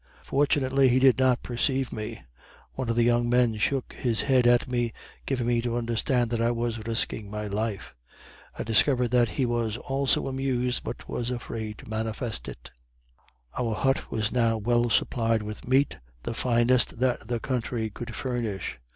Fortunately he did not perceive me; one of the young men shook his head at me, giving me to understand that I was risking my life. I discovered that he was also amused, but was afraid to manifest it. Our hut was now well supplied with meat, the finest that the country could furnish.